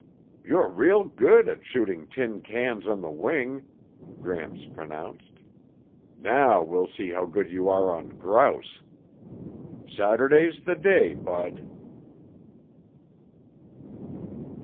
"You're real good at shooting tin cans on the wing," Gramps pronounced. "Now we'll see how good you are on grouse. Saturday's the day, Bud."